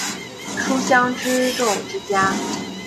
书香世胄之家。